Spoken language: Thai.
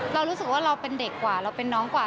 เรารู้สึกว่าเราเป็นเด็กกว่าเราเป็นน้องกว่า